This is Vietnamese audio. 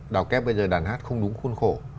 đào kép bây giờ đàn hát không đúng khuôn khổ